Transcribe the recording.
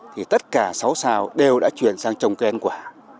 thì tất cả sáu xào đều đã chuyển sang trồng cây ăn quả